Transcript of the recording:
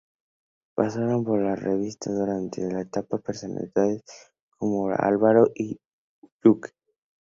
Pasaron por la revista durante esta etapa personalidades como Álvaro Yunque.